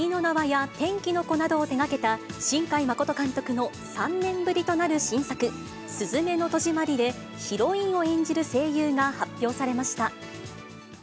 や天気の子などを手がけた、新海誠監督の３年ぶりとなる新作、すずめの戸締まりで、ヒロインを演じる声優が発表されました。